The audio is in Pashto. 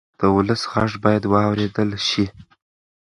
د ولس غږ باید واورېدل شي.